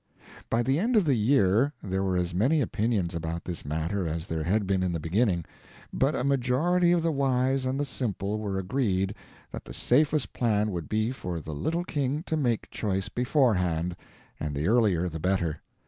By the end of the year there were as many opinions about this matter as there had been in the beginning; but a majority of the wise and the simple were agreed that the safest plan would be for the little king to make choice beforehand, and the earlier the better.